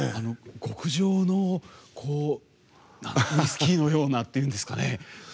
極上のハスキーのようなっていうんですかね。